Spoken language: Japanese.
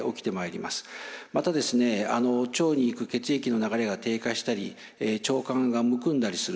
また腸に行く血液の流れが低下したり腸管がむくんだりする。